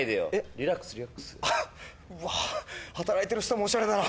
リラックスリラックス。わ働いてる人もオシャレだな。